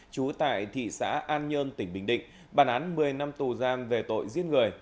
trú tại thị xã an nhơn tỉnh bình định bản án một mươi năm tù giam về tội giết người